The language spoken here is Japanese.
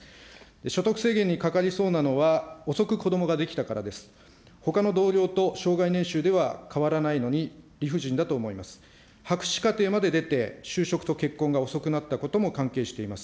所得制限にかかりそうなのは、遅くこどもができたからです。